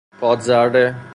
پادذره